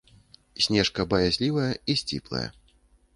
Снежка баязлівая і сціплая.